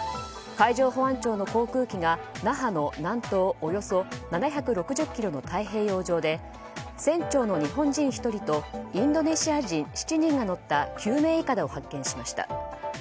海上保安庁の航空機が那覇の南東およそ７６０ｋｍの太平洋上で、船長の日本人１人とインドネシア人７人が乗った救命いかだを発見しました。